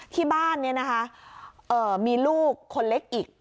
ที่บ้านนี้นะคะมีลูกคนเล็กอีก